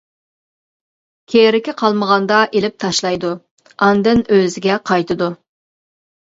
كېرىكى قالمىغاندا ئېلىپ تاشلايدۇ، ئاندىن ئۆزىگە قايتىدۇ.